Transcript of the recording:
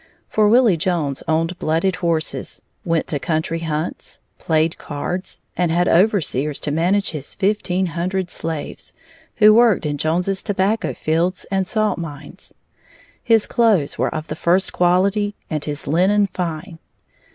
For Willie Jones owned blooded horses, went to country hunts, played cards, and had overseers to manage his fifteen hundred slaves, who worked in Jones's tobacco fields and salt mines. His clothes were of the first quality and his linen fine.